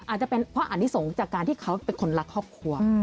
อาจจะเป็นเพราะอันนี้สงฆ์จากการที่เขาเป็นคนรักครอบครัว